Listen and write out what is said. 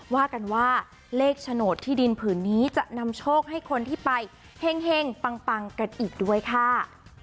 ว่ากันว่าเลขโฉนดที่ดินผืนนี้จะนำโชคให้คนที่ไปเห็งปังกันอีกด้วยค่ะ